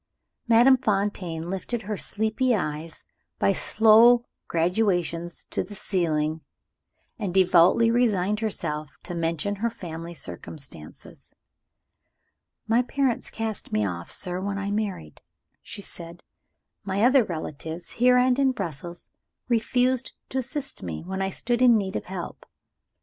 Madame Fontaine lifted her sleepy eyes by slow gradations to the ceiling, and devoutly resigned herself to mention her family circumstances. "My parents cast me off, sir, when I married," she said; "my other relatives here and in Brussels refused to assist me when I stood in need of help.